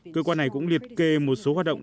cơ quan này cũng liệt kê một số hoạt động